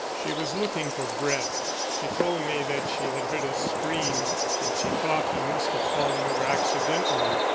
"She was looking for Brett; she told me that she had heard a scream and she thought he must have fallen over accidentally.